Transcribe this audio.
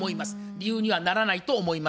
理由にはならないと思いますね。